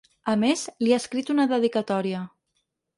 A més, li ha escrit una dedicatòria.